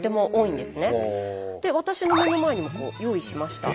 私の目の前にも用意しました。